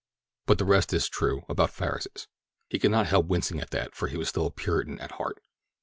But the rest is true—about Farris's." He could not help wincing at that, for he was still a Puritan at heart.